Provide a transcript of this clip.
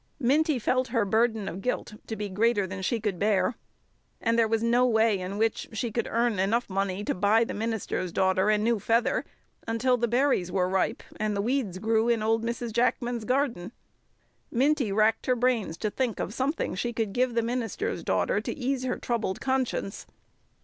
Minty felt her burden of guilt to be greater than she could bear. And there was no way in which she could earn money enough to buy the minister's daughter a new feather until berries were ripe and the weeds grew in old Mrs. Jackman's garden. Minty racked her brains to think of something she could give the minister's daughter to ease her troubled conscience.